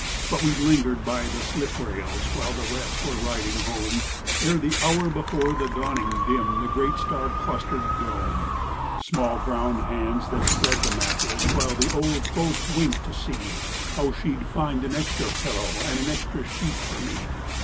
But we lingered by the sliprails While the rest were riding home, Ere the hour before the dawning Dimmed the great star clustered dome. Small brown hands that spread the mattress, While the old folk winked to see How she'd find an extra pillow And an extra sheet for me.